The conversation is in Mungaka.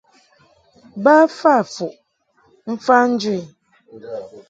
Ba fa fuʼ mfa njɨ i.